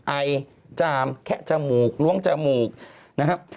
ไอจามแคะจมูกล้วงจมูกนะครับ